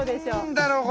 何だろう？